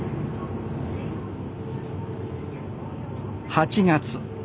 ８月。